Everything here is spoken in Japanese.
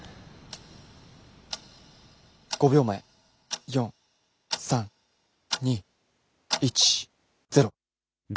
５秒前４３２１０。